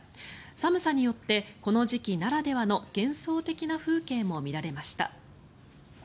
寒さによってこの時期ならではの幻想的な風景も見られました。